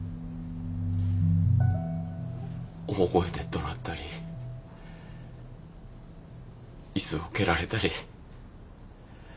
大声で怒鳴ったりイスを蹴られたり。